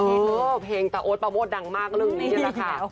เออเพลงตะโอดปะโมดดังมากเลยนี่ละค่ะ